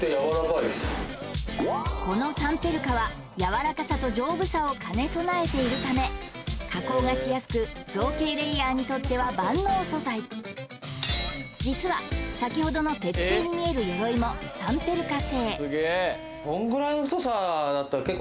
このサンペルカは柔らかさと丈夫さを兼ね備えているため加工がしやすく造形レイヤーにとっては万能素材実は先ほどの鉄製に見える鎧もサンペルカ製